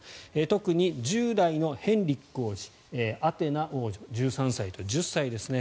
特に１０代のヘンリック王子アテナ王女１３歳と１０歳ですね。